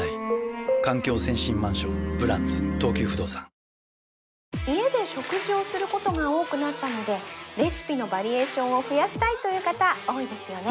東京海上日動家で食事をすることが多くなったのでレシピのバリエーションを増やしたいという方多いですよね